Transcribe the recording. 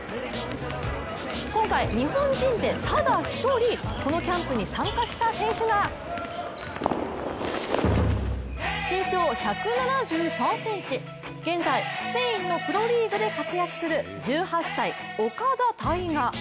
今回、日本人でただ一人このキャンプに参加した選手が身長１７３ｃｍ、現在、スペインのプロリーグで活躍する１８歳、岡田大河。